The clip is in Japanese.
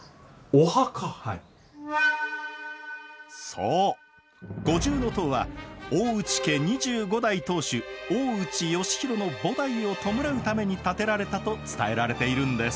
そう五重塔は大内家２５代当主大内義弘の菩提を弔うために建てられたと伝えられているんです。